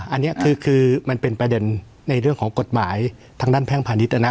อันนี้คือมันเป็นประเด็นในเรื่องของกฎหมายทางด้านแพ่งพาณิชยนะ